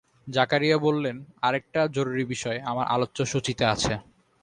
জাকারিয়া বললেন, আরেকটা জরুরি বিষয় আমার আলোচ্যসূচিতে আছে।